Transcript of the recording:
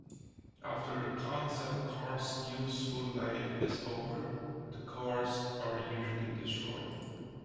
After a concept car's useful life is over, the cars are usually destroyed.